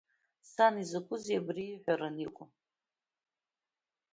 Сан, изакәызеи абри ииҳәараны иҟоу?!